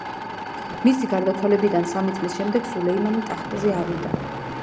მისი გარდაცვალებიდან სამი წლის შემდეგ, სულეიმანი ტახტზე ავიდა.